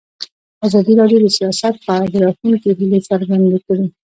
ازادي راډیو د سیاست په اړه د راتلونکي هیلې څرګندې کړې.